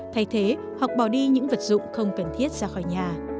thay thế hoặc bỏ đi những vật dụng không cần thiết ra khỏi nhà